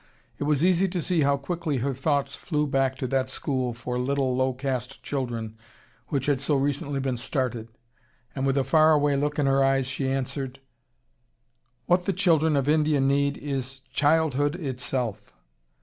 It was easy to see how quickly her thoughts flew back to that school for little low caste children which had so recently been started, and with a far away look in her eyes she answered: "What the children of India need is childhood itself.